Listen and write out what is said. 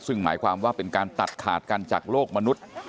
ซึ่งหมายความว่าเป็นการตัดขาดกันจากโลกมนุษย์